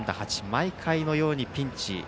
毎回のようにピンチ。